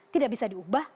tidak bisa diubah